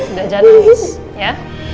udah jangan nangis ya